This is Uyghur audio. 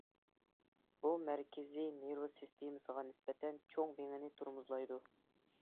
بۇ مەركىزىي نېرۋا سىستېمىسىغا نىسبەتەن چوڭ مىڭىنى تورمۇزلايدۇ.